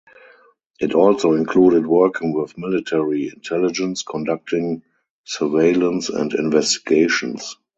It also included working with military intelligence conducting surveillance and investigations.